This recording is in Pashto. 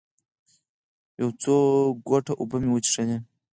یو څو ګوټه اوبه مې وڅښلې.